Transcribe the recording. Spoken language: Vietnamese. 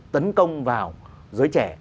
tấn công vào giới trẻ